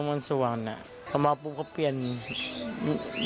แม่ของแม่แม่ของแม่